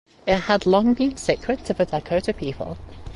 It had long been sacred to the Dakota people.